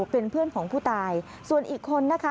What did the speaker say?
เป็นเพื่อนของผู้ตายส่วนอีกคนนะคะ